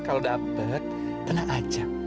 kalau dapet tenang aja